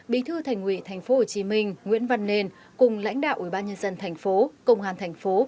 bí thư thành ủy tp hcm nguyễn văn nền cùng lãnh đạo ủy ban nhân dân tp công an tp